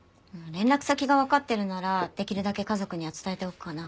連絡先がわかってるならできるだけ家族には伝えておくかな。